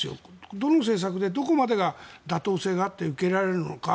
どの政策でどこまでが妥当性があって受け入れられるのか。